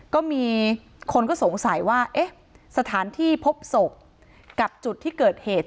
ก็มีคนก็สงสัยว่าเอ๊ะสถานที่พบศพกับจุดที่เกิดเหตุ